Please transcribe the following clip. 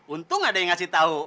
untung ada yang ngasih tahu